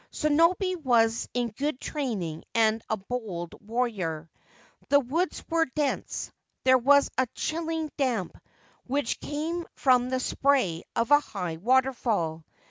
Sonobe was in good training and a bold warrior. The woods were dense ; there was a chilling damp, which came from the spray of a high waterfall.